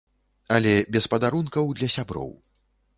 Але без падарункаў для сяброў.